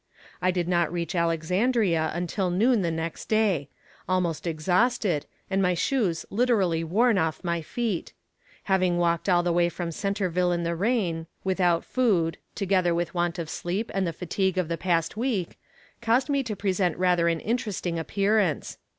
I did not reach Alexandria until noon the next day almost exhausted, and my shoes literally worn off my feet. Having walked all the way from Centerville in the rain, without food, together with want of sleep and the fatigue of the past week, caused me to present rather an interesting appearance.